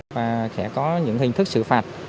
và sẽ có những hình thức xử phạt